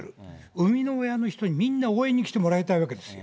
生みの親の人に、みんな応援に来てもらいたいわけですよ。